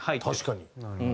確かに。